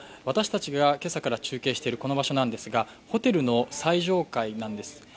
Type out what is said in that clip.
私たちが今朝から中継しているこの場所なんですがホテルの最上階なんです。